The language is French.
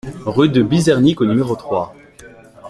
Rue de Bizernig au numéro trois